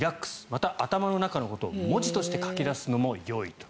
また、頭の中のことを文字として書き出すのがよいと。